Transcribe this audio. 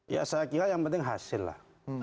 ya saya kira yang penting hasil lah